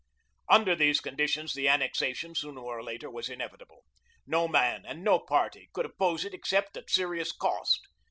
Under these conditions, the annexation, sooner or later, was inevitable. No man and no party could oppose it except at serious cost.